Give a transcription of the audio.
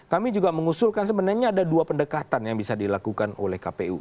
kami juga mengusulkan sebenarnya ada dua pendekatan yang bisa dilakukan oleh kpu